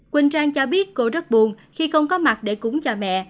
quỳnh trang cho biết cô rất buồn khi không có mặt để cúng cha mẹ